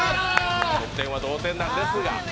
得点は同点なんですが。